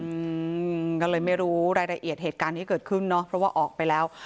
อืมก็เลยไม่รู้รายละเอียดเหตุการณ์ที่เกิดขึ้นเนอะเพราะว่าออกไปแล้ว